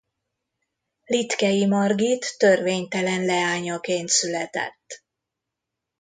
Litkei Margit törvénytelen leányaként született.